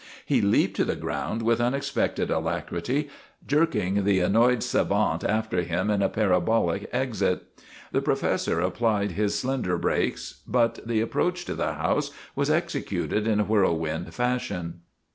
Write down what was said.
He leaped to the ground with unexpected alacrity, jerk ing the annoyed savant after him in a parabolic exit. The professor applied his slender brakes, but the approach to the house was executed in whirl wind fashion.